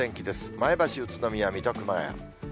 前橋、宇都宮、水戸、熊谷。